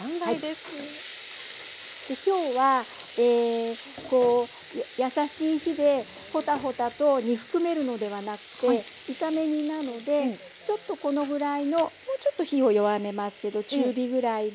今日は優しい火でほたほたと煮含めるのではなくて炒め煮なのでちょっとこのぐらいのもうちょっと火を弱めますけど中火ぐらいで。